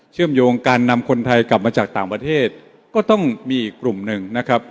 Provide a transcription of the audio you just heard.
เชื่อมโยงการนำคนไทยกลับมาจากต่างประเทศก็ต้องมีอีกกลุ่มหนึ่งนะครับ